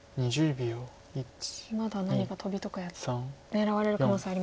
まだ何かトビとか狙われる可能性ありますか。